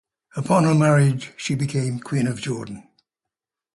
Upon her marriage she became Queen of Jordan.